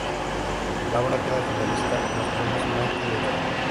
La obra queda finalista en los Premios Mayte de teatro.